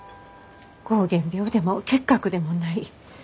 膠原病でも結核でもない。